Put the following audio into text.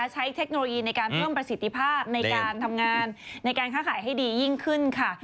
เทคโนโลยีในการเพิ่มประสิทธิภาพในการทำงานในการค้าขายให้ดียิ่งขึ้นค่ะ